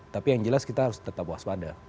tapi yang jelas kita harus tetap waspada